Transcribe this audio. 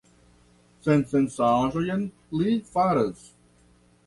Sensencaĵojn li faras!